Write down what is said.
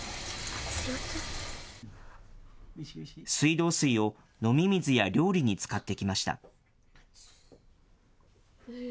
水道水を飲み水や料理に使ってきました。